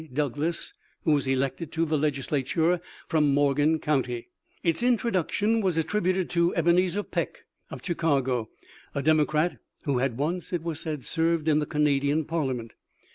Douglas, who was elected to the Legislature from Morgan county. Its introduc tion was attributed to Ebenezer Peck, of Chicago, a Democrat who had once, it was said, served in the Canadian Parliament.